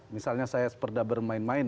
misalnya saya pernah bermain main